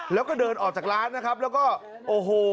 แล้วก็เดินออกจากร้านนะครับแล้วก็โอ้โห